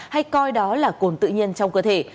hay coi đó là cồn tự nhiên trong cơ thể